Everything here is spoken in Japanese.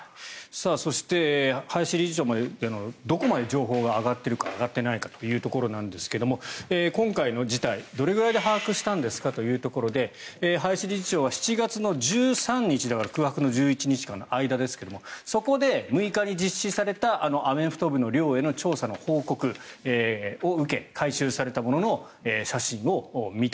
そして、林理事長もどこまで情報が上がっているか上がってないかというところですが今回の自体、どれくらいで把握したんですか？ということで林理事長は７月１３日空白の１１日間の間ですがそこで６日に実施されたアメフト部の寮への調査の報告を受け回収されたものの写真を見た。